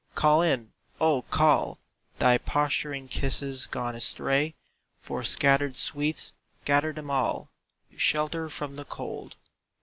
Call in, O call Thy posturing kisses gone astray For scattered sweets. Gather them all To shelter from the cold.